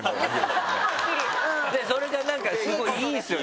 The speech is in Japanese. それがなんかスゴいいいですよ